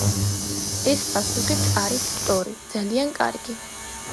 ეს პასუხიც არის სწორი. ძალიან კარგი.